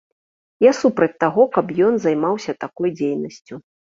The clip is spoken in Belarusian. Я супраць таго, каб ён займаўся такой дзейнасцю.